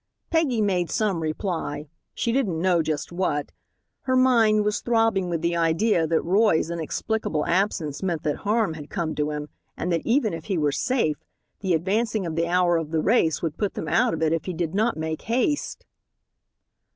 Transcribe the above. Peggy made some reply. She didn't know just what. Her mind was throbbing with the idea that Roy's inexplicable absence meant that harm had come to him, and that even if he were safe the advancing of the hour of the race would put them out of it if he did not make haste.